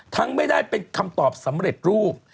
ไม่ได้เป็นคำตอบสำเร็จรูป